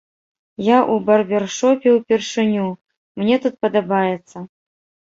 Я ў барбершопе ўпершыню, мне тут падабаецца.